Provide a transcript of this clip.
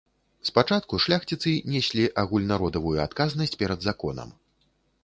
Спачатку шляхціцы неслі агульнародавую адказнасць перад законам.